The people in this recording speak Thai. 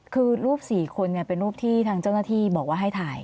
คือรูป๔คนเป็นรูปที่ทางเจ้าหน้าที่บอกว่าให้ถ่าย